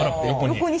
横に。